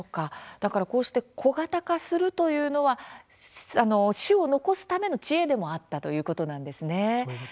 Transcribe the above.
だからこうして小型化するというのは種を残すための知恵でもあったということなんですね。